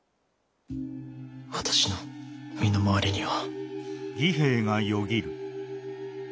私の身の回りには。